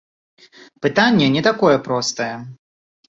Пытанне не такое простае.